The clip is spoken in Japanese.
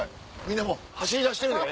みんなもう走りだしてるで。